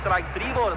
ボール！